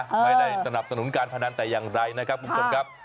ไม่ได้สนับสนุนการพนันแต่อย่างไรนะครับคุณผู้ชมครับ